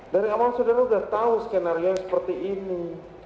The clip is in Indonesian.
dari awal saudara sudah tahu skenario yang seperti ini